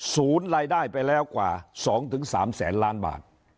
ศูนย์รายได้ไปแล้วกว่า๒๓แสนล้านบาท